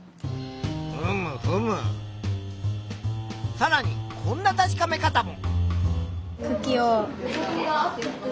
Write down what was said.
さらにこんな確かめ方も。